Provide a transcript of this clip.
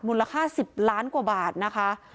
มูลค่า๑๐ล้านกว่าบาทนะคะ